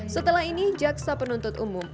setelah ini jaksa penuntut umum